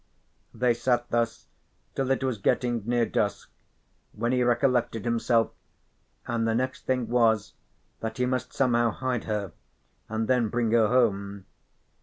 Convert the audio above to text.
They sat thus till it was getting near dusk, when he recollected himself, and the next thing was that he must somehow hide her, and then bring her home.